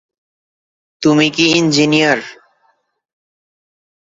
তুমি কি ইঞ্জিনিয়ার?